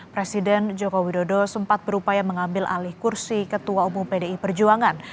presiden joko widodo sempat berupaya mengambil alih kursi ketua umum pdi perjuangan